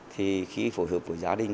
thì khi phối hợp với gia đình